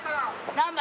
・難波